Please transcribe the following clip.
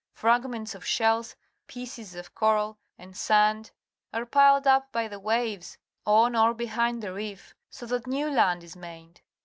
Fragments of shells, pieces of coral, and sand, are piled up by the waves on or behind the reef, so that new land is made.